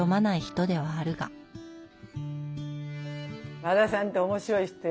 和田さんって面白い人よ。